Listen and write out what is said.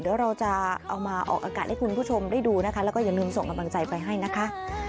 เดี๋ยวเราจะเอามาออกอากาศให้คุณผู้ชมได้ดูนะคะแล้วก็อย่าลืมส่งกำลังใจไปให้นะคะ